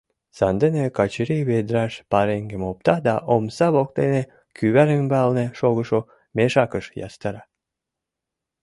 Сандене Качырий ведраш пареҥгым опта да омса воктене кӱвар ӱмбалне шогышо мешакыш ястара.